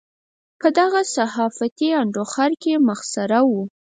په دغه صحافتي انډوخر کې مسخره وو.